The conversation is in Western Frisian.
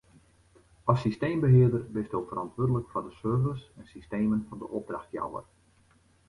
As systeembehearder bisto ferantwurdlik foar de servers en systemen fan de opdrachtjouwer.